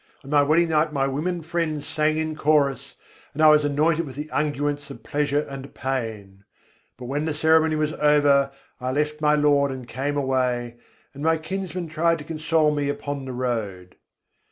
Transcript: On my wedding night my women friends sang in chorus, and I was anointed with the unguents of pleasure and pain: But when the ceremony was over, I left my Lord and came away, and my kinsman tried to console me upon the road.